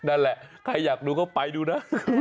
นั่นแหละใครอยากดูก็ไปดูนะ